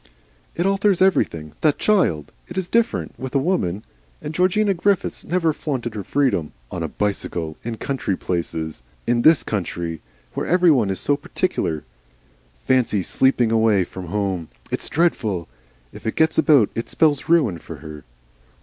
"It alters everything. That child! It is different with a woman. And Georgina Griffiths never flaunted her freedom on a bicycle, in country places. In this country. Where every one is so particular. Fancy, SLEEPING away from home. It's dreadful If it gets about it spells ruin for her."